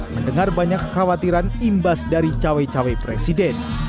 mendengar banyak kekhawatiran imbas dari cawe cawe presiden